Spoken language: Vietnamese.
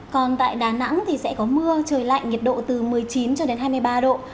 còn tại đà nẵng thì sẽ có mưa trời lạnh nhiệt độ từ một mươi chín cho đến hai mươi ba độ